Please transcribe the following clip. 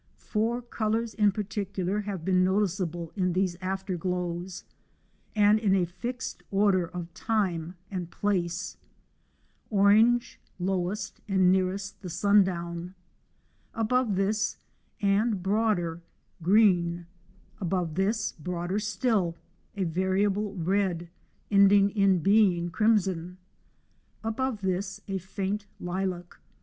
Four colours in particular have been noticeable in these after glows, and in a fixed order of time and place â orange, lowest and nearest the sundown ; above this, and broader, green ; above this, broader still, a variable red, ending in being crimson ; above this a faint lilac.